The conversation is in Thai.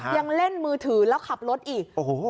ยังเล่นมือถือแล้วขับรถอีก